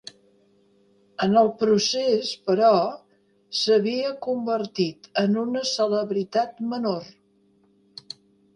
En el procés, però, s'havia convertit en una celebritat menor.